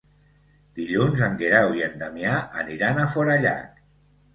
Dilluns en Guerau i en Damià aniran a Forallac.